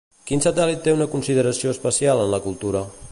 Quin satèl·lit té una consideració especial en la cultura?